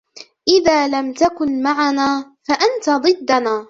إذا لم تكن معنا فأنت ضدنا.